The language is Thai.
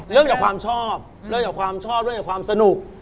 เริ่มจากความชอบเริ่มจากความชอบเล่นกับความสนุก